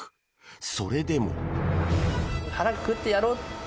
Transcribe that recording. それでも。